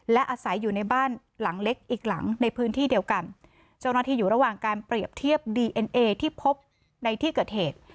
และอาศัยอยู่ในบ้านหลังเล็กอีกหลังในพื้นที่เดียวกันเจ้าหน้าที่อยู่ระหว่างการเปรียบเทียบดีเอ็นเอที่พบในที่เกิดเหตุ